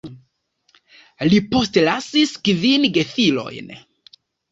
Li postlasis kvin gefilojn.